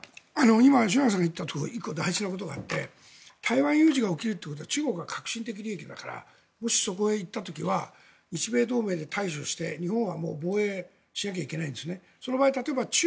今吉永さんが言ったことで大事なことがあって台湾有事が起きるというのは中国に確信が起きるということだからもし、そこへ行った時は日米同盟で対処して日本は防衛しなきゃいけないんです。